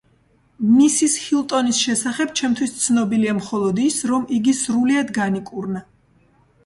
მისის ჰილტონის შესახებ ჩემთვის ცნობილია მხოლოდ ის, რომ იგი სრულიად განიკურნა.